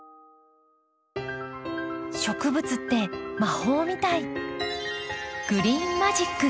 植物って魔法みたい。